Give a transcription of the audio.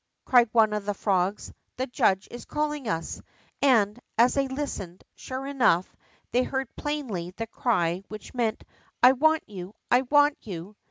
'' cried one of the frogs, " the judge is calling us,'' and, as they listened, sure enough, they heard plainly the cry which meant, I want you ! I want you